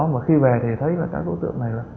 mà khi về thì thấy là các đối tượng này là